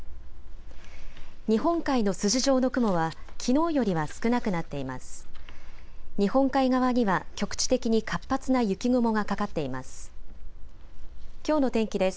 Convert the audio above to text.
日本海の筋状の雲はきのうよりは少なくなっています。